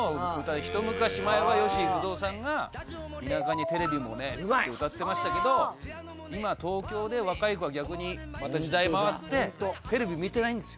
一昔前は吉幾三さんが田舎にテレビも無ェっつって歌ってましたけど今東京で若い子は逆にまた時代回ってテレビ見てないんです。